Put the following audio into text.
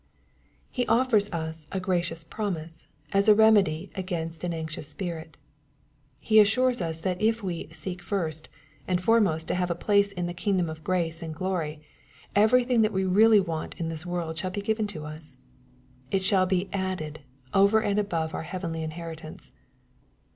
He offers us a gracious promise^s^B, remedy against an anxious spirit. He assures us that if we " seek first" and foremost to have a place in the kingdom of grace and gjory, everything that we really want in this world shall be given to us. It shall be " added," over and above our heavenly inheritance.